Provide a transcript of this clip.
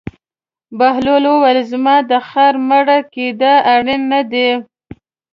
بهلول وویل: زما د خر مړه کېدل اړین نه دي.